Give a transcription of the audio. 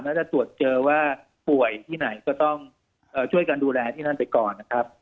แล้วจะตรวจเจอว่าป่วยที่ไหนก็ต้องช่วยกันดูแลที่นั่นไปก่อนนะครับ